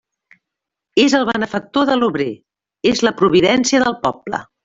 És el benefactor de l'obrer; és la providència del poble.